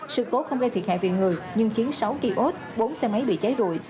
sự cố không gây thiệt hại vì người nhưng khiến sáu kỳ ốt bốn xe máy bị cháy rụi